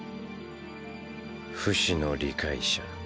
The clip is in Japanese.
フシの理解者。